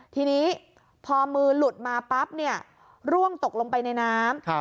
ทีนี้พอมือหลุดมาปั๊บเนี่ยร่วงตกลงไปในน้ำ